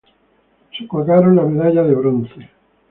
Se colgaron la medalla de bronce.